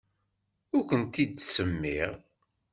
Ur kent-id-ttsemmiɣ.